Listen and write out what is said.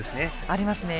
ありますね。